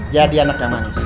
jadi anaknya manis